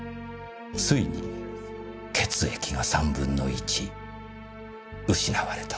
ついに血液が３分の１失われたと。